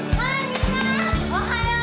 みんなおはよう！